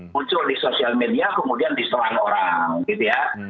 muncul di sosial media kemudian diserang orang gitu ya